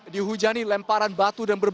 dihujani lemparan batu dan berbahaya